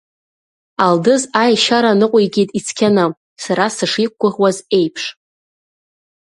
Алдыз аешьара ныҟәигеит ицқьаны, сара сышиқәгәыӷуаз еиԥш.